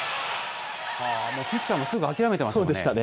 もうピッチャーもすぐ諦めてましたね。